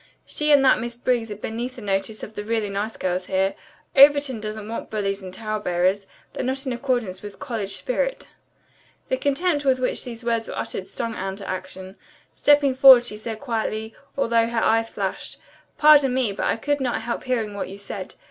She and that Miss Briggs are beneath the notice of the really nice girls here. Overton doesn't want bullies and tale bearers. They're not in accordance with college spirit." The contempt with which these words were uttered stung Anne to action. Stepping forward she said quietly, although her eyes flashed, "Pardon me, but I could not help hearing what you said.